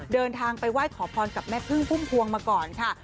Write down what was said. เดินทางไปไหว้ขอพรกับแม่พึ่งพุ่มพวงมาก่อนค่ะ